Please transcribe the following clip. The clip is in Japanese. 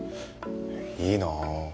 いいなぁ。